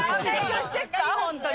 本当に？